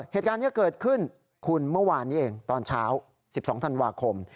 เหตุการณ์นี้เกิดขึ้นคุณเมื่อวานนี้เองตอนเช้า๑๒ธันวาคม